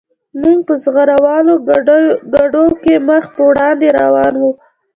موږ په زغره والو ګاډو کې مخ په وړاندې روان وو